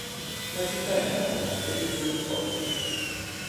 La città è nota per il suo ippodromo.